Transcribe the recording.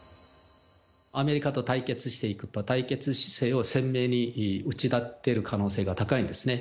アメリカと対決していくと、対決姿勢を鮮明に打ち立てる可能性が高いんですね。